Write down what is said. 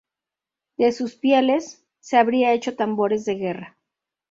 De sus pieles, se habría hecho tambores de guerra.